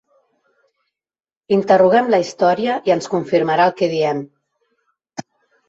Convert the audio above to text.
Interroguem la història, i ens confirmarà el que diem.